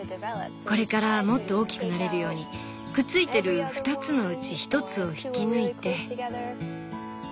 これからもっと大きくなれるようにくっついてる２つのうち１つを引き抜いて。